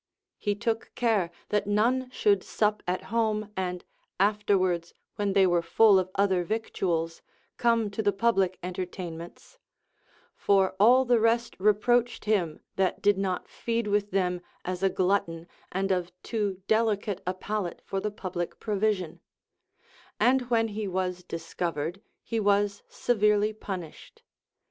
He took care that none should sup at home and afterwards, >vhen they were full of other victuals, come to the public entertainments ; for all the rest reproached him that did not feed with them as a glutton and of too delicate a pal ate for the public provision ; and when he was discovered, he was severely punished.